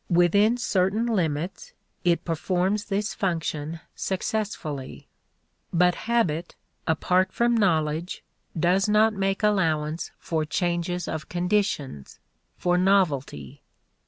Within certain limits, it performs this function successfully. But habit, apart from knowledge, does not make allowance for change of conditions, for novelty.